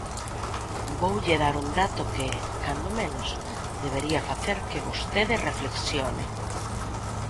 Voulle dar un dato que, cando menos, debería facer que vostede reflexione.